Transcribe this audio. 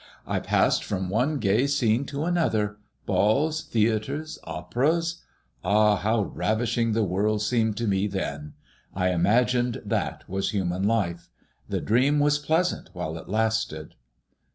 I passed from one gay scene to another — balls, theatres, operas I Ah I how ravishing the world seemed to me then I I imagined that was human life. The dream was pleasant while it lasted."